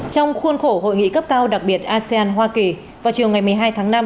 trong khuôn khổ hội nghị cấp cao đặc biệt asean hoa kỳ vào chiều ngày một mươi hai tháng năm